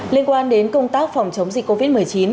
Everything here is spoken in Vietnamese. liên quan đến công tác phòng chống dịch covid một mươi chín